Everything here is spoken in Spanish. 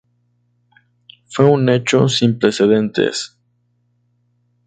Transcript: Fue un hecho sin precedentes.